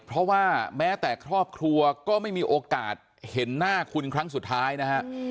เพราะว่าแม้แต่ครอบครัวก็ไม่มีโอกาสเห็นหน้าคุณครั้งสุดท้ายนะฮะ